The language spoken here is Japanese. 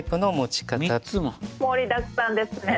盛りだくさんですね。